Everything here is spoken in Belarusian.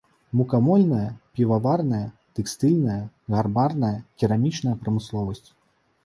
Мукамольная, піваварная, тэкстыльная, гарбарная, керамічная прамысловасць.